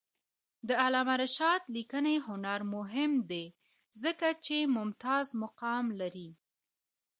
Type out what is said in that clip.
د علامه رشاد لیکنی هنر مهم دی ځکه چې ممتاز مقام لري.